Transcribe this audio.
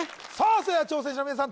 それでは挑戦者の皆さん